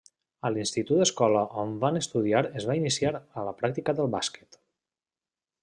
A l’Institut Escola on va estudiar es va iniciar a la pràctica del bàsquet.